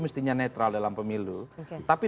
mestinya netral dalam pemilu tapi